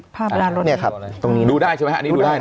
ภาพร้านรถเนี่ยครับดูได้ใช่ไหมฮะอันนี้ดูได้นะ